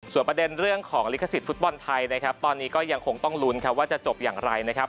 ส่วนประเด็นเรื่องของลิขสิทธิฟุตบอลไทยนะครับตอนนี้ก็ยังคงต้องลุ้นครับว่าจะจบอย่างไรนะครับ